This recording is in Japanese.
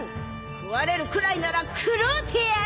食われるくらいなら食ろうてやる！